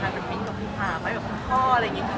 สำคัญเป็นมิ้นกับพี่พาเพราะแบบพ่ออะไรอย่างงี้